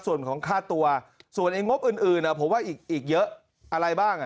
ส่วนของค่าตัวส่วนงบอื่นผมว่าอีกเยอะ